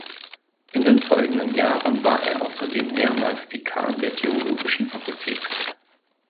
In den folgenden Jahren war er außerdem mehrmals Dekan der Theologischen Fakultät.